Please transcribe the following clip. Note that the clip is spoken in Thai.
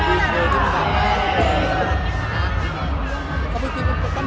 พี่ดอยครับ